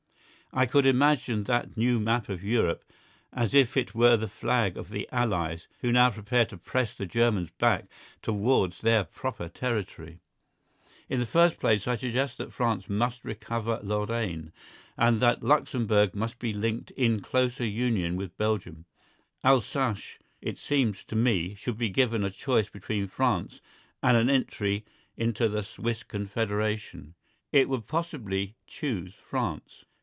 I could imagine that new map of Europe as if it were the flag of the allies who now prepare to press the Germans back towards their proper territory. In the first place, I suggest that France must recover Lorraine, and that Luxemburg must be linked in closer union with Belgium. Alsace, it seems to me, should be given a choice between France and an entry into the Swiss Confederation. It would possibly choose France.